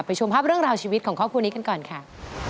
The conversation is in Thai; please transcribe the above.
ชมภาพเรื่องราวชีวิตของครอบครัวนี้กันก่อนค่ะ